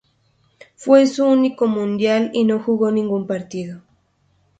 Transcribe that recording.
Fue su único Mundial y no jugó ningún partido.